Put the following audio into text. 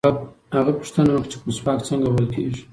هغه پوښتنه وکړه چې مسواک څنګه وهل کېږي.